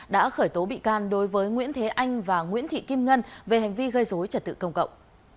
đã khởi tố bị can đối với nguyễn thế anh và nguyễn thị kim ngân về hành vi gây dối trật tự công cộng